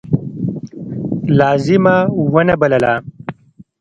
لازمه ونه بلله.